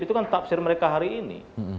itu kan tafsir mereka hari ini